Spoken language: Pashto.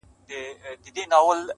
نوره سپوږمۍ راپسي مه ږغـوه,